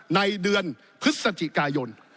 ในเดือนพฤศจิกายน